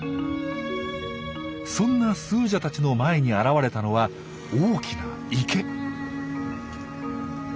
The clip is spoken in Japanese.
そんなスージャたちの前に現れたのは大きな池。